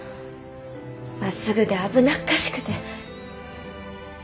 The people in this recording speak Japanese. まっすぐで危なっかしくて。